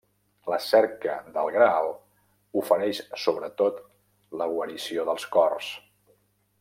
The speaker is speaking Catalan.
La cerca del Graal ofereix sobretot la guarició dels cors.